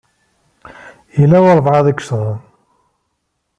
Yella walebɛaḍ i yeccḍen.